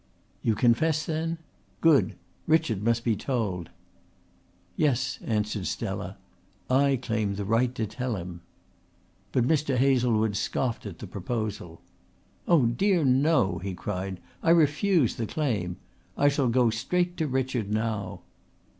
"You confess then? Good! Richard must be told." "Yes," answered Stella. "I claim the right to tell him." But Mr. Hazlewood scoffed at the proposal. "Oh dear no!" he cried. "I refuse the claim. I shall go straight to Richard now."